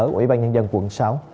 của ubnd quận sáu